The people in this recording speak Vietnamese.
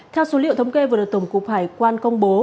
theo số liệu thống kê vừa được tổng cục hải quan công bố